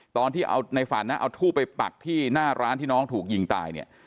ตอนที่เอาในฝันนะเอาทูบไปปักที่หน้าร้านที่น้องถูกยิงตายเนี่ย